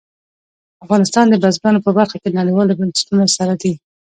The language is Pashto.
افغانستان د بزګانو په برخه کې نړیوالو بنسټونو سره دی.